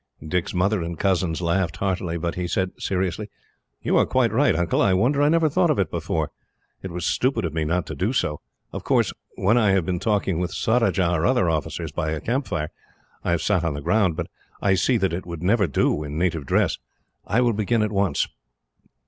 Dick's mother and cousins laughed heartily, but he said, seriously, "You are quite right, Uncle. I wonder I never thought of it before. It was stupid of me not to do so. Of course, when I have been talking with Surajah or other officers, by a camp fire, I have sat on the ground; but I see that it would never do, in native dress. I will begin at once."